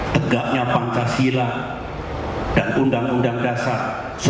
tegaknya pancasila dan undang undang dasar seribu sembilan ratus empat puluh